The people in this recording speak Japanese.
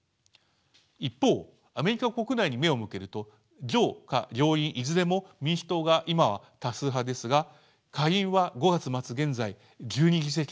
一方アメリカ国内に目を向けると上下両院いずれも民主党が今は多数派ですが下院は５月末現在１２議席差。